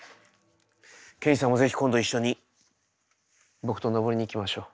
刑事さんも是非今度一緒に僕と登りに行きましょう。